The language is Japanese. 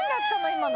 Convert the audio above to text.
今の。